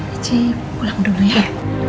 ichi pulang dulu ya